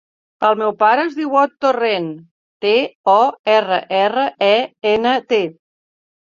El meu pare es diu Ot Torrent: te, o, erra, erra, e, ena, te.